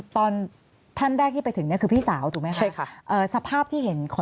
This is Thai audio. ตอนท่านแรกที่ไปถึงเนี่ยคือพี่สาวถูกไหมคะใช่ค่ะ